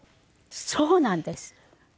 そうなんです。